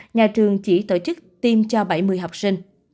nhà trường chỉ tổ chức tiêm cho bảy mươi học sinh